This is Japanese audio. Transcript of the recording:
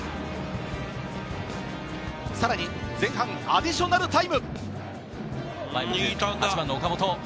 さらに前半アディショナルタイム。